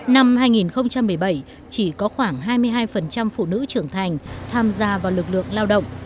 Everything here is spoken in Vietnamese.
năm hai nghìn một mươi bảy chỉ có khoảng hai mươi hai phụ nữ trưởng thành tham gia vào lực lượng lao động